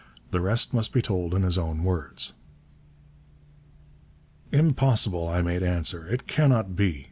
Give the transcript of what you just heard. The rest must be told in his own words. 'Impossible,' I made answer. 'It cannot be.'